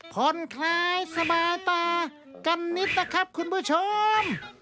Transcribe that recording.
ผ่อนคลายสบายตากันนิดนะครับคุณผู้ชม